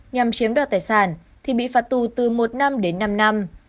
nhằm chiếm đoạt tài sản thì bị phạt tù từ một năm đến năm năm